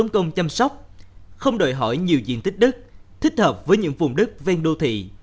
khóc không đòi hỏi nhiều diện tích đất thích hợp với những vùng đất ven đô thị